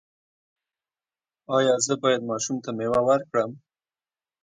ایا زه باید ماشوم ته میوه ورکړم؟